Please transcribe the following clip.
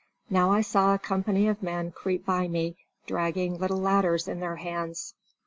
Now I saw a company of men creep by me, dragging little ladders in their hands.